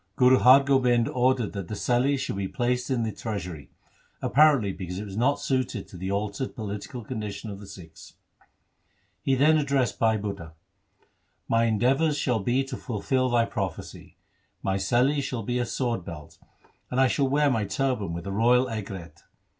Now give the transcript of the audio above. Guru Har Gobind ordered that the seli should be placed in the treasury, apparently because it was not suited to the altered political condition of the Sikhs. He then addressed Bhai Budha,. ' My endeavours shall be to fulfil thy prophecy. My seli shall be a sword belt, and I shall wear my turban with a royal aigrette.'